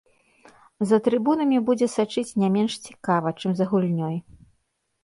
За трыбунамі будзе сачыць не менш цікава, чым за гульнёй.